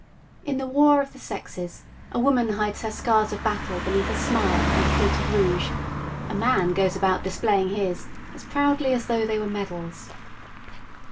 In the war of the sexes a woman hides her scars of battle beneath a smile and a coat of rouge. A man goes about displaying his as proudly as though they were medals.